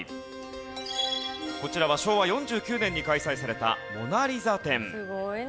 こちらは昭和４９年に開催された「モナ・リザ展」。